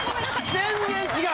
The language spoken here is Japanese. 全然違う。